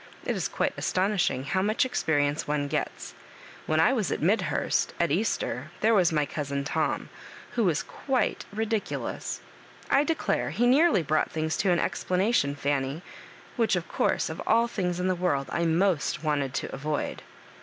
It is quite astonishing how much ex perience one gets. When I was at Midhurst, at Easter, there was my cousin Tom, who was quite ridiculous ; I declare he nearly brought things to an explanation, Fanny — which, of course, of all things in the world I most wanted to avoid."